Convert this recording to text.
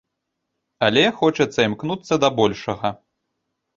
Але хочацца імкнуцца да большага.